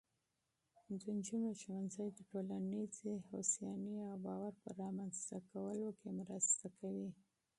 د نجونو ښوونځی د ټولنیزې هوساینې او باور په رامینځته کولو کې مرسته کوي.